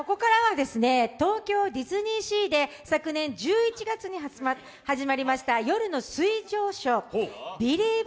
東京ディズニーリゾートで昨年１１月に始まりました夜の水上ショー、ビリーヴ！